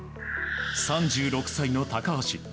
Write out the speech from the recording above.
３６歳の高橋。